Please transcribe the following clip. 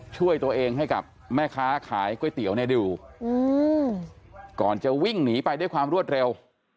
ช่วยตัวเองให้กับแม่ค้าขายก๋วยเตี๋ยวเนี่ยดูก่อนจะวิ่งหนีไปด้วยความรวดเร็ว